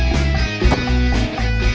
kenapa tidak bisa